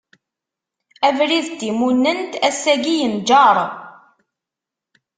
Abrid n timunent, ass-agi yenǧeṛ.